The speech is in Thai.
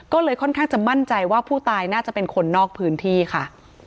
ก็เลยค่อนข้างจะมั่นใจว่าผู้ตายน่าจะเป็นคนนอกพื้นที่ค่ะ